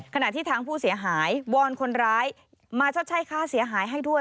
ขณะที่ทางผู้เสียหายวอนคนร้ายมาชดใช้ค่าเสียหายให้ด้วย